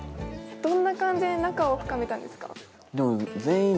どんな感じで仲を深めたんですか？